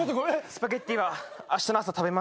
スパゲティはあしたの朝食べます。